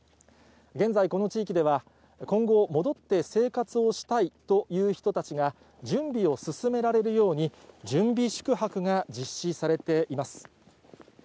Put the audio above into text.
現在、この地域では、今後、戻って生活をしたいという人たちが、準備を進められるように、準備宿泊が実施されています。